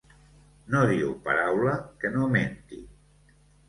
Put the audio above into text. No diu paraula que no menti.